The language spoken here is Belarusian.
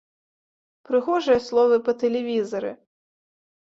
Прыгожыя словы па тэлевізары.